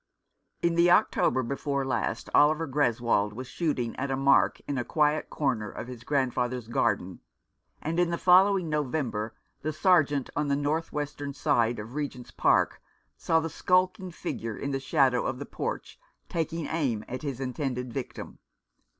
272 Mr, Faunce continues. In the October before last Oliver Greswold was shooting at a mark in a quiet corner of his grand father's garden, and in the following November the Sergeant on the north western side of Regent's Park saw the skulking figure in the shadow of the porch taking aim at his intended victim.